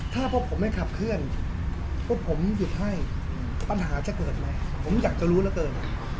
ถ้าพวกผมไม่ขับเคลื่อนพวกผมหยุดให้ปัญหาจะเกิดไหมผมอยากจะรู้เหลือเกิน